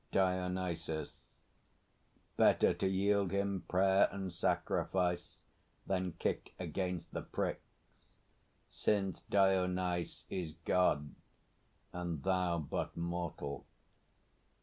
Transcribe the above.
DIONYSUS. Better to yield him prayer and sacrifice Than kick against the pricks, since Dionyse Is God, and thou but mortal.